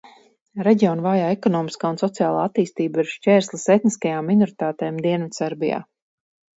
Reģiona vājā ekonomiskā un sociālā attīstība ir šķērslis etniskajām minoritātēm Dienvidserbijā.